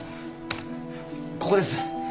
ここです。